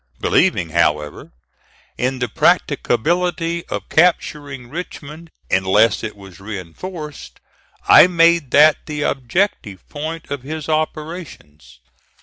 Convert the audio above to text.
Believing, however, in the practicability of capturing Richmond unless it was reinforced, I made that the objective point of his operations.